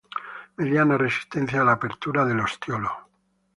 Mediana resistencia a la apertura del ostiolo.